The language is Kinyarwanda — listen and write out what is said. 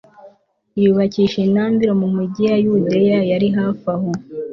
yubakisha intambiro mu migi ya yudeya yari hafi aho